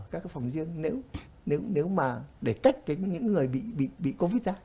các cái phòng riêng nếu mà để cách những người bị covid ra